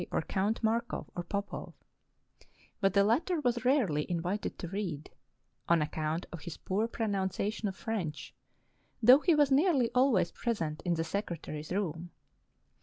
or Count Markov, or Popov; but the latter was rarely invited to read, on account of his poor pronun ciation of French, though he was nearly always present in the secretary's room.